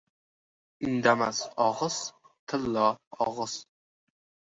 • Indamas og‘iz — tillo og‘iz.